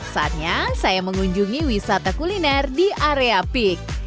saatnya saya mengunjungi wisata kuliner di area peak